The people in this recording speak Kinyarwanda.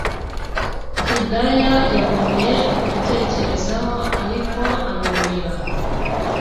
hidaya yagumye kubitekerezaho ariko abiburira